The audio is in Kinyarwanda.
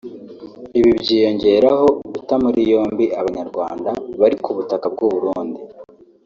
Ibi byiyongeraho guta muri yombi Abanyarwanda bari ku butaka bw’u Burundi